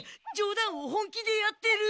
冗談を本気でやってる。